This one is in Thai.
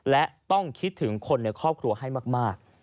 และต้องคิดถึงคนในครอบครัวให้มาก